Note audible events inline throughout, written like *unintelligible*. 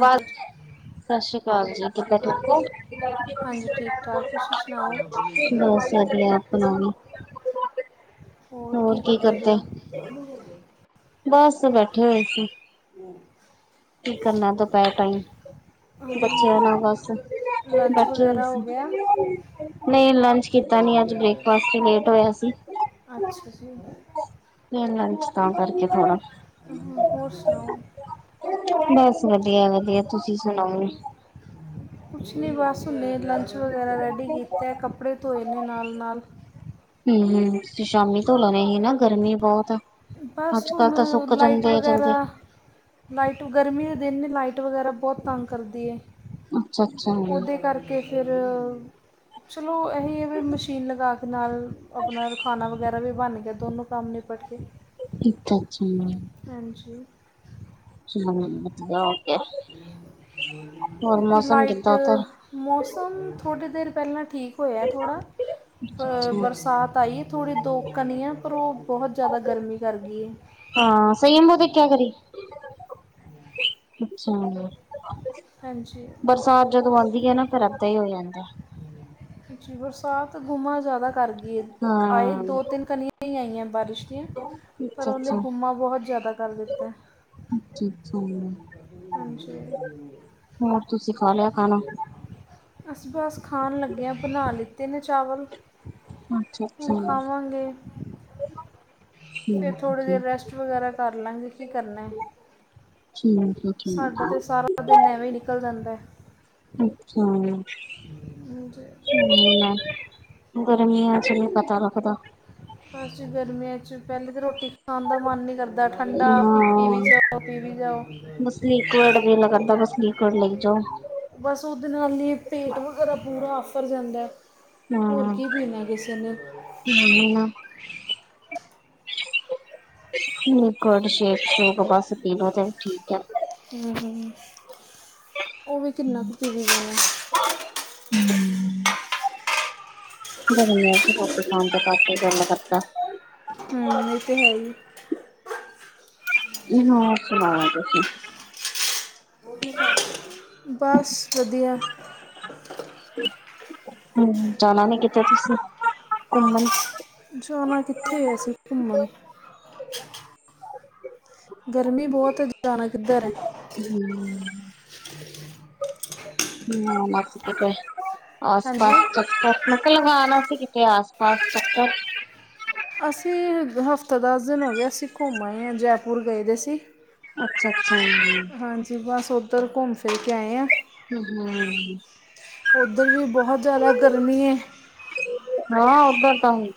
ਬਸ ਸਤਿ ਸ਼੍ਰੀ ਅਕਾਲ ਜੀ, ਕਿਦਾ ਠੀਕ ਓ। *unintelligible* ਹਾਂਜੀ ਠੀਕ ਠਾਕ ਤੁਸੀਂ ਸੁਣਾਓ ਬਸ ਵਧੀਆ। *unintelligible* ਹੋਰ ਕੀ ਕਰਦੇ? ਬਸ ਬੈਠੇ ਹੋਏ ਸੀ। ਹੂੰ। ਕੀ ਕਰਨਾ ਦੁਪਹਿਰ ਟਾਈਮ, ਬੱਚਿਆਂ ਨਾਲ ਬਸ ਲੰਚ ਬਾਕੀ। ਵਗੈਰਾ ਹੋ ਗਿਆ ਨਈ ਲੰਚ ਕੀਤਾ ਨੀ, ਅੱਜ ਬ੍ਰੇਕਫਾਸਟ ਇ ਲੇਟ ਹੋਇਆ ਸੀ। ਅੱਛਾ ਜੀ। ਨੀ ਲੰਚ ਤਾਂ ਕਰਕੇ ਥੋੜਾ ਹੋਰ ਸੁਣਾਓ ਬਸ ਵਧੀਆ ਵਧੀਆ ਤੁਸੀਂ ਸੁਣਾਓ ਕੁਛ ਨਹੀਂ ਬਸ ਹੁਨੇ ਲੰਚ ਵਗੈਰਾ ਰੈਡੀ ਕੀ ਕਿਤਾ ਕੱਪੜੇ ਧੋਏ ਨੇ ਨਾਲ ਨਾਲ ਹੁ ਹੁ ਤੁਸੀ ਸ਼ਾਮੀ ਧੋ ਲੈਣੇ ਸੀ ਨਾ ਗਰਮੀ ਬਹੁਤ ਆ। ਬਸ ਅੱਜ ਕੱਲ੍ਹ ਹੁਣ ਤਾਂ ਸੁੱਕ ਲਾਈਟ ਜਾਂਦੇ ਆ ਵਗੈਰਾ, ਜਲਦੀ ਲਾਈਟ ਗਰਮੀ ਦੇ ਦਿਨ ਵੀ ਲਾਈਟ ਵਗੈਰਾ ਬਹੁਤ ਤੰਗ ਕਰਦੀ ਐ ਅੱਛਾ ਅੱਛਾ ਉਹਦੇ ਕਰ ਕੇ ਫੇਰ ਚਲੋ ਏਹੀ ਐ ਵੀ ਮਸ਼ੀਨ ਲਗਾ ਕੇ ਨਾਲ ਆਪਣਾ ਖਾਣਾ ਵਗੈਰਾ ਵੀ ਬਣ ਗਿਆ ਦੋਨੋਂ ਕੰਮ ਨਿਪਟ ਗੇ। ਅੱਛਾ-ਅੱਛਾ। ਹਾਂਜੀ। *unintelligible* ਕਿਉਂਕਿ ਲਾਈਟ, ਮੌਸਮ ਥੋੜ੍ਹੀ ਦੇਰ ਪਹਿਲਾ ਠੀਕ ਹੋਇਆ ਥੋੜ੍ਹਾ ਆ ਬਰਸਾਤ ਆਈ ਹੈ ਥੋੜ੍ਹੀ ਦੋ ਕਨੀਆ ਐ ਪਰ ਉਹ ਬਹੁਤ ਜ਼ਿਆਦਾ ਗਰਮੀ ਕਰ ਗਈ ਏ। ਹਾਂ ਸਹੀਮ ਬੋਤ ਦੇਖੀਆ ਕਰੀ, ਅੱਛਾ। ਹਾਂਜੀ ਬਰਸਾਤ ਜਦੋਂ ਆਂਦੀ ਏ ਨਾ ਫੇਰ ਐਦਾ ਹੀ ਹੋ ਜਾਂਦਾ। ਜੀ ਬਰਸਾਤ ਗੁਮਾਂ ਜ਼ਿਆਦਾ ਕਰਦੀ ਏ, ਆਏ ਹਾਂ ਦੋ-ਤਿੰਨ ਕਣੀਆਂ ਛਿੱਟਾ ਹਿ ਆਇਆ ਬਾਰਿਸ਼ ਦੀਆਂ ਪਰ ਅੱਛਾ ਉਹਨੇ ਅੱਛਾ ਹੁਮ ਬਹੁਤ ਜ਼ਿਆਦਾ ਕਰ ਦਿੱਤਾ। ਅੱਛਾ ਅੱਛਾ ਹਾਂਜੀ ਹੋਰ ਤੁਸੀਂ ਖਾ ਲਿਆ ਖਾਣਾ ਅਸੀਂ ਬਸ ਖਾਣ ਲੱਗੇ ਆਂ, ਬਣਾ ਲਿੱਤੇ ਨੇ ਚਾਵਲ। ਅੱਛਾ ਹੁ ਅੱਛਾ ਖਾਵਾਂਗੇ। ਫਿਰ ਠੀਕ ਹੈ ਥੋੜ੍ਹੀ ਦੇਰ ਜੀ ਰੈਸਟ ਵਗੈਰਾ ਕਰਲਾਗੇ। ਕੀ ਕਰਨੈ, ਠੀਕ ਹੈ ਠੀਕ ਸਾਡਾ ਹੈ ਤੇ ਸਾਰਾ ਦਿਨ ਐਵੇ ਈ ਨਿਕਲ ਜਾਦੈ। ਅੱਛਾ। ਹੂੰ ਹਾਂਜੀ। *unintelligible* ਗਰਮੀਆ ਚ ਨੀ ਪਤਾ ਲਗਦਾ। ਅਸੀਂ ਗਰਮੀਆਂ ਚ ਪਹਿਲੇ ਤਾਂ ਰੋਟੀ ਖਾਣ ਦਾ ਮਨ ਨੀ ਕਰ ਦਾ ਠੰਡਾ ਪੀ ਹਾਂ ਵੀ ਜਾਓ- ਪੀ ਵੀ ਜਾਓ। ਬਸ ਲੀਕੂਅਡ ਦਿਲ ਕਰਦਾ, ਬਸ ਲੀਕੂਅਡ ਲਈ ਜਾਓ। ਬਸ ਓਦੇ ਨਾਲ ਈ ਪੇਟ ਵਗੈਰਾ, ਪੂਰਾ ਆਫ਼ਰ ਜਾਂਦਾ ਏ। ਹੋਰ ਹਾਂ ਕੀ ਪੀਨਾ ਹੈ, ਕਿਸੇ ਨੇੇ। *unintelligible* ਨਾ ਲਿਕੂਅਡ ਸ਼ੇਕ- ਸ਼ੂਕ ਬਸ ਪਿਲੋ ਤੇ ਠੀਕ ਐ। ਹੂੰ, ਓ ਵੀ ਕਿੰਨਾ ਕੁ ਪੀ ਲਈਦਾ ਏ। ਹੂੰ। *unintelligible* ਕਰਕੇ ਗੱਲ ਕਰਦਾ ਹੂੰ ਏ ਤੇ, ਹੈ ਈ। ਨੀ ਹਾ ਹੋਰ ਸੁਣਾਓ ਤੁਸੀਂ? ਬਸ ਵਧੀਆ। ਹੂੰ, ਜਾਣਾ ਨੀ ਕਿਤੇ ਤੁਸੀਂ ਘੁੰਮਣ? ਜਾਣਾ ਕਿੱਥੇ ਐ ਅਸੀਂ ਘੁੰਮਣ। ਗਰਮੀ ਬੋਤ ਐ ਜਾਣਾ ਕਿੱਧਰ ਐ। ਹੂੰ। ਆਸ ਹਾਂਜੀ ਪਾਸ *inaudible* *unintelligible* ਲਗਾਣਾ ਸੀ ਕਿਤੇ ਆਸ ਪਾਸ ਚੱਕਰ ਅਸੀਂ ਹਫ਼ਤਾ ਦਸ ਦਿਨ ਹੋਗੇ। ਅਸੀਂ ਘੁੰਮਨ ਆ ਜੈਪੁਰ ਗਏ ਦੇ ਸੀ। ਅੱਛਾ-ਅੱਛਾ ਹਾਂਜੀ। ਹਾਂਜੀ ਬਸ ਓਧਰ ਘੁੰਮ ਫਿਰ ਕੇ ਆਏ ਆ। ਹੂੰ-ਹੂੰ। ਓਧਰ ਵੀ ਬੋਹਤ ਜਾਦਾ ਗਰਮੀ ਏ। ਹਾਂ ਓਦਰ ਤਾ ਹੀ।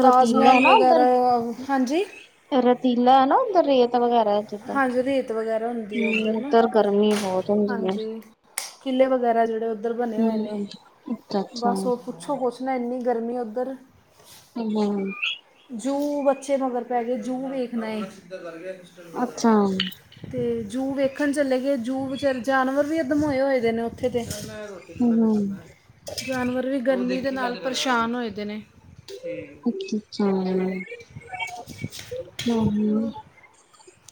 ਤਾਜ ਰਤੀਲਾ ਐ ਮਹਿਲ ਨਾ ਉੱਧਰ। ਵਗੈਰਾ, ਹਾਂਜੀ। ਰਤੀਲਾ ਐ ਨਾ ਓਦਰ ਰੇਤ ਵਗੈਰਾ। ਜਿੱਦਾਂ। ਹਾਂਜੀ ਰੇਤ ਵਗੈਰਾ ਹੁੰਦੀ ਏ, ਹੂੰ, ਔਧਰ ਨਾ ਉੱਧਰ ਗਰਮੀ ਬਹੁਤ ਹੁੰਦੀ ਐ। ਹਾਂਜੀ। ਕਿਲੇ ਵਗੈਰਾ ਜੇੜੇ ਓਧਰ ਬਣੇ ਹੋਏ ਨੇ, ਹੂੰ, ਅੱਛਾ-ਅੱਛਾ, ਬਸ ਔ ਪੁੱਛੋ ਕੋਛ ਨਾ, ਇੰਨੀ ਗਰਮੀ ਏ ਔਧਰ। ਕਈ ਜਾਨ *unintelligible* ਜੂ ਬੱਚੇ ਮਗਰ ਪੈ, ਗਏ ਜੂ ਵੇਖਣਾ ਏ। ਅੱਛਾ। ਹੂੰ, ਅੱਛਾ-ਅੱਛਾ, ਤੇ ਜੂ ਵੇਖਣ ਚਲੇੇ ਗਏ। ਜੂ ਵਿਚਾਰੇ ਜਾਨਵਰ ਵੀ ਅੱਧਮੋਏ ਹੋਏ ਦੇ ਨੇ ਔਥੇ ਤੇ। ਰੋਟੀ ਖਾਲਾ ਫੇਰ ਹੂੰ-ਹੂੰ। ਚਲਨਾ ਐ। ਜਾਨਵਰ ਵੀ ਗਰਮੀ ਦੇ ਨਾਲ ਪਰੇਸ਼ਾਨ ਹੋਏ ਦੇ ਨੇ। *inaudible* ਹੂੰ-ਹੂੰ ਹੋਰ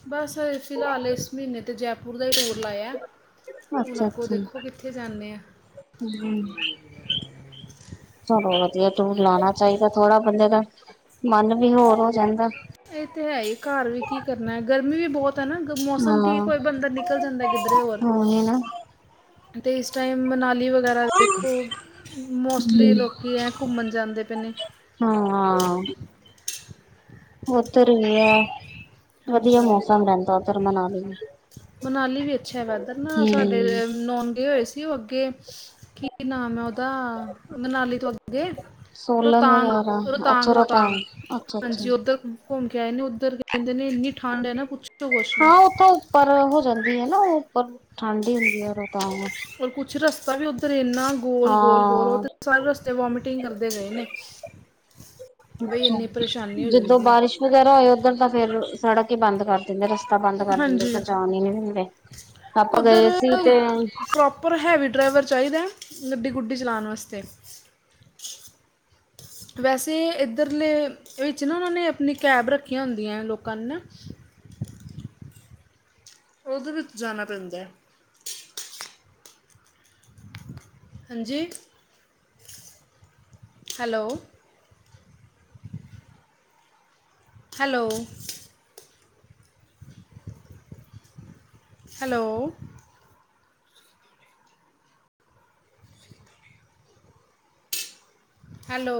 ਬਸ ਫਿਲਹਾਲ ਏਸ ਮੀਨੇ ਤੇ, ਜੈਪੁਰ ਦਾ ਈ ਟੂਰ ਲਾਇਆ ਏ। ਹੁਣ ਅੱਗੋਂ ਅੱਛਾ-ਅੱਛਾ, ਦੇਖੋ, ਕਿੱਥੇ ਜਾਂਦੇ ਆ। ਹੂੰ, ਚਲੋ ਵਧੀਆ। ਟੂਰ ਲਾਣਾ ਵੀ ਚਾਈਦਾ ਥੋੜਾ ਬੰਦੇ ਦਾ ਮਨ ਵੀ ਹੋਰ ਹੋ ਜਾਂਦਾ। ਏ ਤੇ ਹੈ ਈ, ਘਰ ਵੀ ਕੀ ਕਰਨਾ ਏ ਗਰਮੀ ਵੀ ਬੋਤ ਇਕ ਤਾ ਨਾ ਮੌਸਮ ਠੀਕ ਹਾਂ, ਹੋਏ ਬੰਦਾ ਨਿਕਲ ਜਾਂਦਾ ਕਿੱਧਰੇ ਹੋਰ। ਉਹੀ ਨਾ। ਤੇ ਇਸ ਟਾਈਮ ਮਨਾਲੀ ਵਗੈਰਾ ਦੇੇਖੋ। ਮੋਸਟਲੀ ਹੂੰ, ਲੋਕੀ ਐ ਘੁੰਮਣ ਜਾਂਦੇ ਪਏ ਨੇ। ਹੂੰ ਹਾਂ। ਓਧਰ ਵੀ ਆ, ਵਧੀਆ ਹਾਂਜੀ ਮੌਸਮ ਰੈਂਦਾ ਓਧਰ ਮਨਾਲੀ ਵੀ। ਮਨਾਲੀ ਵੀ ਅੱਛਾ ਹੈ ਵੈਦਰ ਨਾ, ਸਾਡੇ ਨੋਨ ਗਏ ਹੋਏ ਸੀ। ਸੀ ਓਹ ਅੱਗੇ ਕੀ ਨਾਮ ਏ ਓਦਾ ਮਨਾਲੀ ਤੋਂ ਅੱਗੇ। ਸੋਲਨ ਰੋਤਾਂਗ, ਵਗੈਰਾ, ਰੋਤਾਂਗ, ਅੱਛਾ ਰੋਹਤਾਂਗ, ਰੋਤਾਂਗ, ਅੱਛਾ-ਅੱਛਾ। ਹਾਂਜੀ ਓਧਰ ਘੁੰਮ ਕੇ ਆਏ ਨੇ, ਔਧਰ ਕੈੰਦੇ ਨੇ ਇੰਨੀ ਠੰਡ ਹੈ ਨਾ ਪੁੱਛ ਹਾਂ, ਔਥੋਂ ਉੱਪਰ ਹੋ ਜਾਂਦੀ ਏ ਨਾ, ਉੱਪਰ ਠੰਢ ਹੀ ਹੁੰਦੀ ਐ ਰੋਤਾਂਗ। ਚੋਰਸਤਾ ਵੀ ਓਧਰ ਏਨਾ ਗੋਲ, ਗੋਲ, ਗੋਲ। ਹਾਂ ਔਤੇ ਸਾਰੇ ਰਸਤੇ ਵੋਮਟਿੰਗ ਕਰਦੇ ਗਏ ਨੇ। ਬਈ ਏਨੀ ਪਰੇਸ਼ਾਨੀ ਹੋ ਜਾਂਦੀ ਏ। ਵਗ਼ੈਰਾ ਹੋਏ ਓਧਰ ਦਾ ਫੇਰ ਸੜਕ ਹੀ ਬੰਦ ਕਰ ਕੈੰਦੈ ਰਸਤਾ ਬੰਦ ਕਰ ਦਿੰਦੇ ਹਾਂਜੀ ਓਧਰ ਜਾਣ ਈ ਨੀ ਦਿੰਦੇ। ਆਪਾਂ ਗਏ ਸੀ ਤੇ ਪਰ ਹੈਵੀ ਡਰਾਈਵਰ ਚਾਈਦਾ‌ ਗੱਡੀ-ਗੂੱਡੀ ਚਲਾਣ ਵਾਸਤੇ। ਵੈਸੇ ਏਧਰਲੇ ਇਹ ਵਿਚ ਨਾ ਓਨਾਂ ਨੇ ਅਪਣੀ ਕੈਬ ਰੱਖੀਆਂ ਹੁੰਦੀਆਂ ਲੋਕਾਂ ਨੇ ਨਾ ਓਹਦੇ ਵਿੱਚ ਜਾਣਾ ਪੈਂਦਾ। ਹਾਂਜੀ- ਹੈਲੋ। ਹੈਲੋ। Hello- hello-